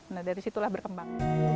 nah dari situlah berkembang